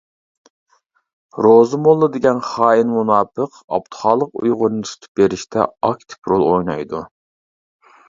روزا موللا دېگەن خائىن مۇناپىق ئابدۇخالىق ئۇيغۇرنى تۇتۇپ بېرىشتە ئاكتىپ رول ئوينايدۇ.